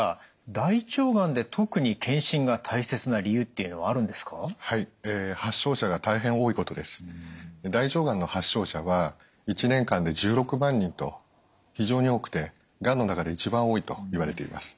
大腸がんの発症者は１年間で１６万人と非常に多くてがんの中で一番多いといわれています。